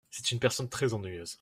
C’est une personne très ennuyeuse.